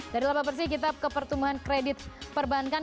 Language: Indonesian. dari laba bersih kita ke pertumbuhan kredit perbankan